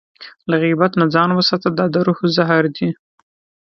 له غیبت نه ځان وساته، دا د روح زهر دی.